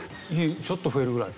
ちょっと増えるぐらい。